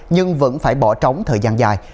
nhưng vẫn phải bỏ trống thời gian dài